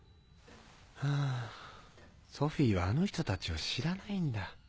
ハァソフィーはあの人たちを知らないんだ。